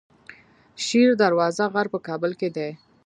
شیر دروازه غر په کابل کې دی